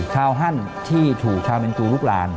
ชาวหั้นที่ถูกชาวแมนจูลูกราน